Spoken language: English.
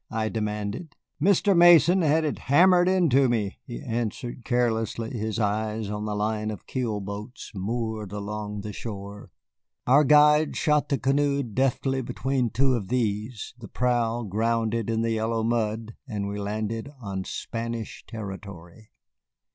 I demanded. "Mr. Mason had it hammered into me," he answered carelessly, his eyes on the line of keel boats moored along the shore. Our guides shot the canoe deftly between two of these, the prow grounded in the yellow mud, and we landed on Spanish territory.